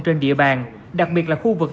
trên địa bàn đặc biệt là khu vực